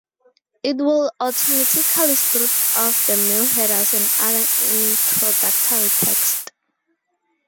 It will automatically strip off the mail headers and other introductory text.